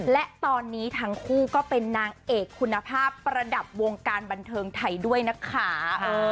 และตอนนี้ทั้งคู่ก็เป็นนางเอกคุณภาพประดับวงการบันเทิงไทยด้วยนะคะ